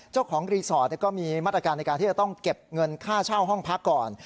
เจ้าของรีสอร์ทก็มีมาตรการในการที่จะต้องเก็บเงินค่าเช่าห้องพักก่อน